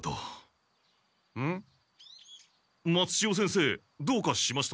松千代先生どうかしましたか？